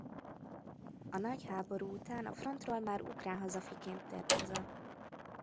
A Nagy Háború után a frontról már ukrán hazafiként tért haza.